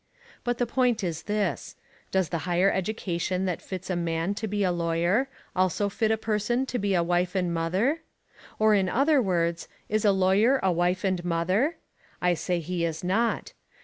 But the point is this: Does the higher education that fits a man to be a lawyer also fit a person to be a wife and mother? Or, in other words, is a lawyer a wife and mother? I say he is not.